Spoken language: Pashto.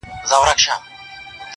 • د بادار په اشاره پرې کړي سرونه -